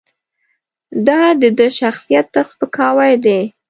دا د ده شخصیت ته سپکاوی دی.